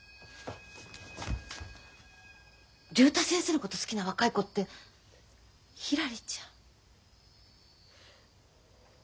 竜太先生のこと好きな若い子ってひらりちゃん？